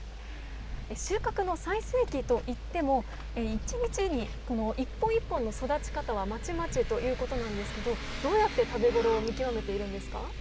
収穫の最盛期といっても、１日に一本一本の育ち方はまちまちということなんですけど、どうやって食べ頃を見極めているんですか。